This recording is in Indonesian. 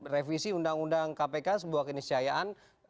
revisi undang undang kpk sebuah keniscayaan